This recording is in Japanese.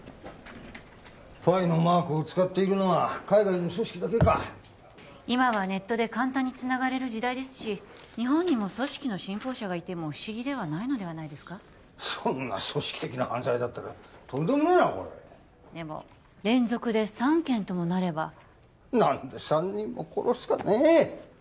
φのマークを使っているのは海外の組織だけか今はネットで簡単につながれる時代ですし日本にも組織の信奉者がいても不思議ではないのではないですかそんな組織的な犯罪だったらとんでもねえなこれでも連続で３件ともなれば何で３人も殺すかねえ